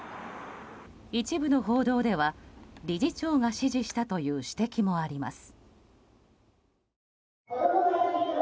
一部の報道では理事長が指示したという指摘もあります。